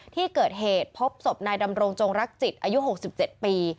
ที่เกิดเหตุพบศพนายดำรงจงรักจิตอายุ๖๗ปี